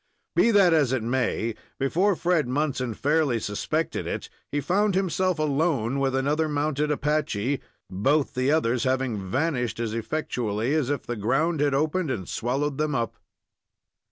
Be that as it may, before Fred Munson fairly suspected it he found himself alone with another mounted Apache, both the others having vanished as effectually as if the ground had opened and swallowed them up.